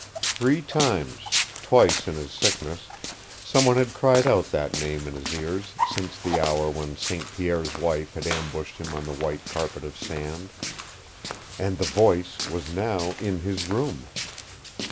Three times, twice in his sickness, some one had cried out that name in his ears since the hour when St. Pierre's wife had ambushed him on the white carpet of sand. And the voice was now in his room!